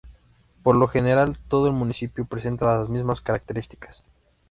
Por lo general todo el municipio presenta las mismas características.